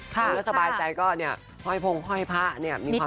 แล้วสบายใจก็เนี่ยห้อยพงห้อยพระเนี่ยมีความสุขแล้ว